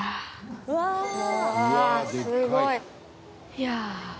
いや。